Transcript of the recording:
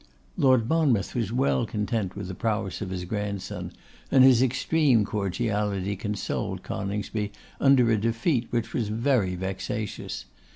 Lord Monmouth was well content with the prowess of his grandson, and his extreme cordiality consoled Coningsby under a defeat which was very vexatious.